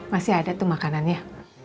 masih ada tuh makanannya